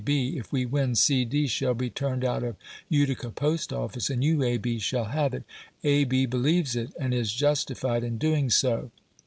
B., "If we win, C. D. shall be turned out of Utica Post office, and you, A. B., shall have it," A. B. believes it, and is justified in doing so.